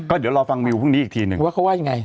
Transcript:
เดี๋ยวรอฟังวิวพรุ่งนี้อีกทีหนึ่งว่าเขาว่ายังไง